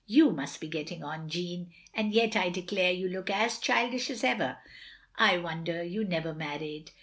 " You must be getting on, Jeanne; and yet, I de clare you look as childish as ever. I wonder you never married.